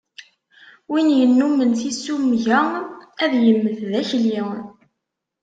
Win yennumen tissumga, ad yemmet d akli.